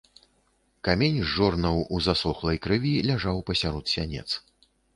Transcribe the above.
Камень з жорнаў у засохлай крыві ляжаў пасярод сянец.